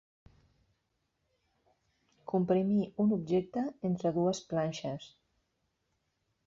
Comprimir un objecte entre dues planxes.